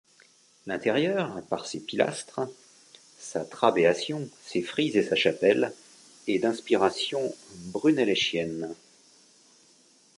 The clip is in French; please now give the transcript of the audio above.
L'intérieur, par ses pilastres, sa trabéation, ses frises et sa chapelle, est d'inspiration brunelleschienne.